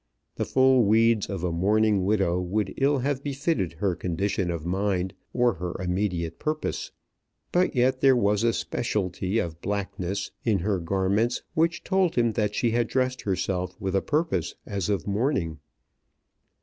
The full weeds of a mourning widow would ill have befitted her condition of mind, or her immediate purpose. But yet there was a speciality of blackness in her garments which told him that she had dressed herself with a purpose as of mourning.